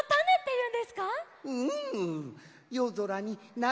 うん！